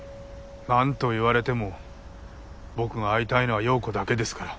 何と言われても僕が会いたいのは葉子だけですから。